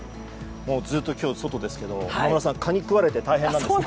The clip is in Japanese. ずっと今日は外ですが今村さん、蚊にくわれて大変なんですよね。